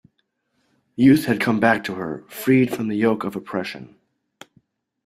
Youth had come back to her, freed from the yoke of oppression.